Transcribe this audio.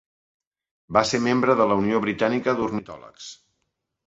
Va ser membre de la Unió Britànica d'Ornitòlegs.